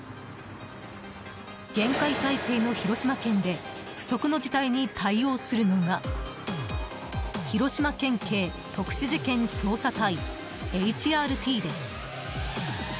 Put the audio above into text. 厳戒態勢の広島県で不測の事態に対応するのが広島県警特殊事件捜査隊ＨＲＴです。